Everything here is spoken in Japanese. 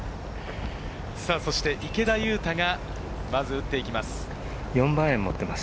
池田勇太が、まず打っていきます。